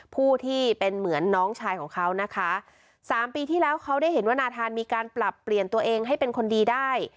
ผู้ที่เป็นเหมือนน้องชายของเขานะคะสามปีที่แล้วเขาได้เห็นว่านาธานมีการปรับเปลี่ยนตัวเองให้เป็นคนดีได้